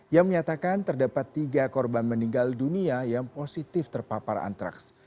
yang menyatakan terdapat tiga korban meninggal dunia yang positif terpapar antraks